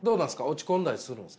落ち込んだりするんですか。